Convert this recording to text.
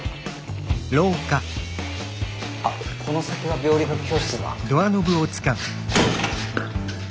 あっこの先が病理学教室だ。